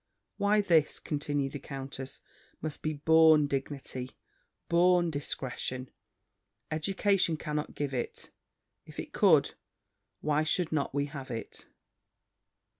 "Why this," continued the countess, "must be born dignity born discretion Education cannot give it: if it could, why should not we have it?"